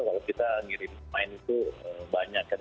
karena kita ngirim permainan itu banyak kan